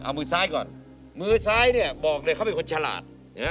เอามือซ้ายก่อนมือซ้ายเนี่ยบอกเลยเขาเป็นคนฉลาด